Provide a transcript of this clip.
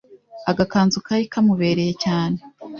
agakanzu kari kamubereye cyane